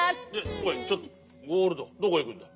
おいちょっとゴールドどこいくんだ？